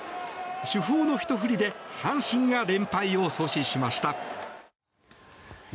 主砲のひと振りで阪神が連敗を阻止しました。